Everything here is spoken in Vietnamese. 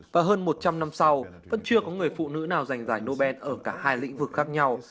và hơn một trăm linh năm sau vẫn chưa có người phụ nữ nào giành giải nobel ở cả hai lĩnh vực khác nhau